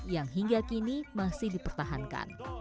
yang hingga kini masih dipertahankan